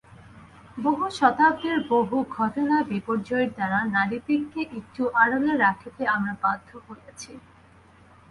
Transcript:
বহু শতাব্দীর বহু ঘটনা বিপর্যয়ের দ্বারা নারীদিগকে একটু আড়ালে রাখিতে আমরা বাধ্য হইয়াছি।